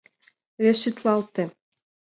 Решитлалте.